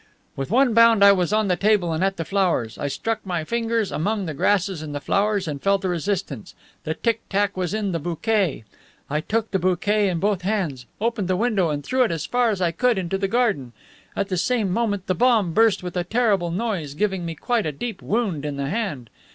With one bound I was on the table and at the flowers. I struck my fingers among the grasses and the flowers, and felt a resistance. The tick tack was in the bouquet! I took the bouquet in both hands, opened the window and threw it as far as I could into the garden. At the same moment the bomb burst with a terrible noise, giving me quite a deep wound in the hand.